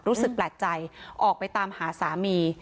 รู้สึกแปลกใจออกไปตามหาสามี